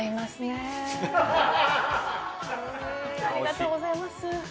ありがとうございます。